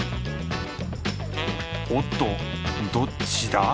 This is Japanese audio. おっとどっちだ？